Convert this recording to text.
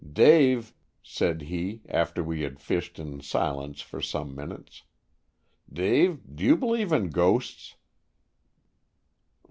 Dave," said he, after we had fished in silence for some minutes, "Dave, d'you believe in ghosts?"